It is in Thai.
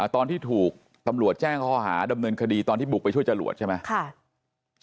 ตอนที่ถูกตำรวจแจ้งข้อหาดำเนินคดีตอนที่บุกไปช่วยจรวดใช่ไหม